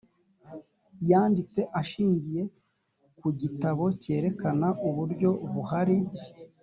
yanditse ashingiye ku gitabo cyerekana uburyo buhari